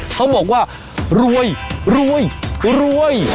เขาบอกว่ารวยรวย